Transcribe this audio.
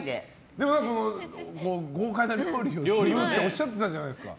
でも、豪快な料理をするっておっしゃってたじゃないですか。